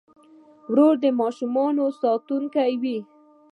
ورور د ماشومانو ساتونکی وي.